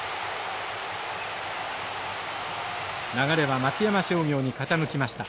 流れは松山商業に傾きました。